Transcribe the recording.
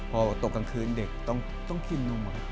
พอตกกลางคืนเด็กต้องกินนม